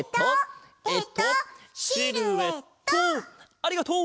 ありがとう！